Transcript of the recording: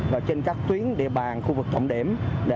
và trên các tuyến địa bàn khu vực trọng điểm